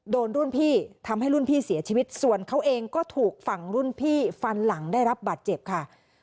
โดนรุ่นพี่ทำให้รุ่นพี่เสียชีวิตส่วนเขาเองก็ถูกฝั่งรุ่นพี่ฟันหลังได้รับบาดเจ็บค่ะ